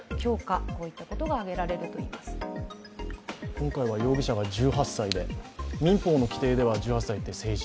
今回は容疑者が１８歳で民法の規定では１８歳って成人。